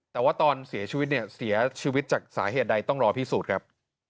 แต่ว่าตอนเสียชีวิตเนี่ยเสียชีวิตจากสาเหตุใดต้องรอพิสูจน์ครับ